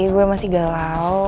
gue masih galau